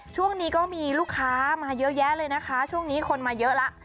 ช่วงนี้ก็มีลูกค้ามาเยอะแยะเลยนะคะช่วงนี้คนมาเยอะแล้ว